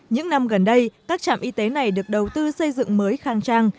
những năm gần đây các trạm y tế này được đầu tư xây dựng mới khang trang